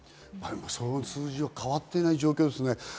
その数字は変わっていない状況ですね。